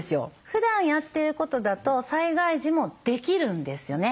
ふだんやってることだと災害時もできるんですよね。